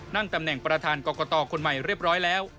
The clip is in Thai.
นั่งตำแหน่งประธานกรกตคนใหม่เรียบร้อยแล้ว